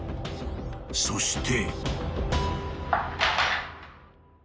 ［そして］